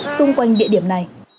xung quanh địa điểm này